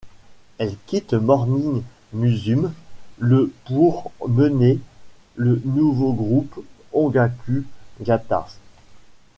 Elle quitte Morning Musume le pour mener le nouveau groupe Ongaku Gatas.